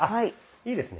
いいですね。